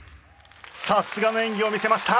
さすがの演技を見せました。